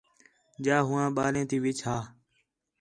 جا ہوآں ٻالیں تی وِچ ہا